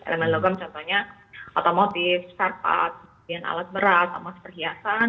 elemen logam contohnya otomotif sarpat pilihan alat berat tamas perhiasan